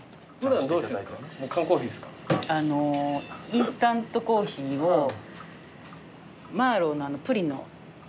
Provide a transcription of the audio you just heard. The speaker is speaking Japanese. インスタントコーヒーをマーロウのあのプリンの。